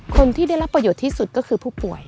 คนที่ได้รับประโยชน์ที่สุดก็คือผู้ป่วย